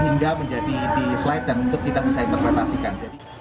hingga menjadi di slide dan untuk kita bisa interpretasikan